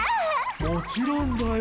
もちろんだよ。